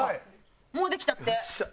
もうできたって！